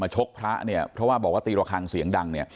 ชกพระเนี่ยเพราะว่าบอกว่าตีระคังเสียงดังเนี่ย